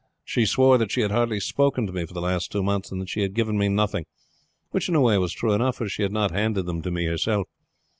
She swore that she had hardly spoken to me for the last two months and that she had given me nothing; which in a way was true enough, for she had not handed them to me herself.